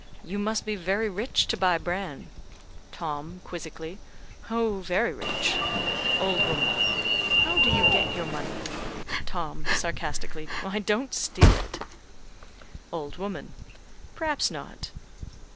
"You must be very rich to buy bran." Tom (quizzically): "Oh, very rich." Old woman: "How do you get your money?" Tom (sarcastically): "I don't steal it." Old woman: "Pr'aps not.